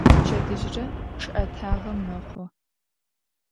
Пчэдыжьрэ чъыӀэтагъэ мэхъу.